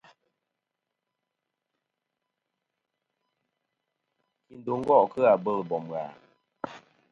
Kindo gò' kɨ abɨl bom ghà?